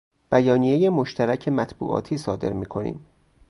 بیانیه مشترک مطبوعاتی صادر می کنیم.